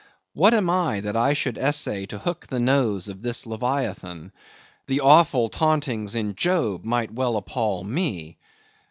What am I that I should essay to hook the nose of this leviathan! The awful tauntings in Job might well appal me.